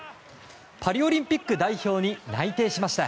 パリオリンピック代表に内定しました。